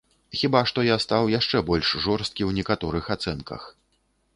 Хіба што я стаў яшчэ больш жорсткі ў некаторых ацэнках.